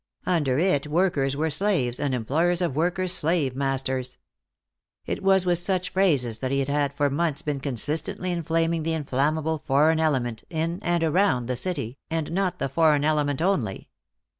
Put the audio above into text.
Under it workers were slaves, and employers of workers slave masters. It was with such phrases that he had for months been consistently inflaming the inflammable foreign element in and around the city, and not the foreign element only.